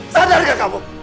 sadar gak kamu